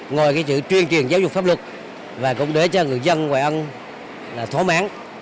ngồi cái chữ truyền truyền giáo dục pháp luật và cũng để cho người dân ngoại ân thỏa mãn